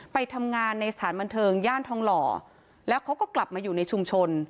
ไปทำงานในสถานบันเทิงย่านทองหล่อแล้วเขาก็กลับมาอยู่ในชุมชน